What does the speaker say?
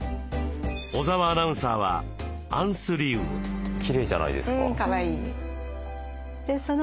小澤アナウンサーはきれいじゃないですか。